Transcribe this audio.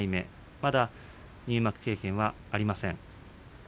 まだ入幕経験がありません。